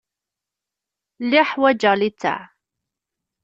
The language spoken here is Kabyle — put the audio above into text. Lliɣ ḥwaǧeɣ littseɛ.